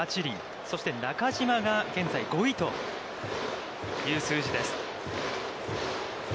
そして中島が現在５位という数字です。